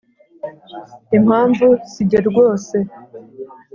Impamvu si jye rwose